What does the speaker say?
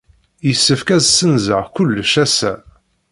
Yessefk ad ssenzeɣ kullec ass-a.